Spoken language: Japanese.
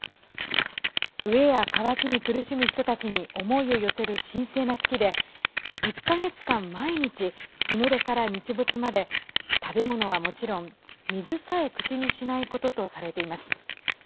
飢えや渇きに苦しむ人たちに思いを寄せる神聖な月で１か月間、毎日日の出から日没まで食べ物はもちろん、水さえ口にしないこととされています。